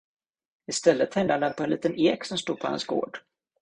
I stället hängde han den på en liten ek som stod på hans gård.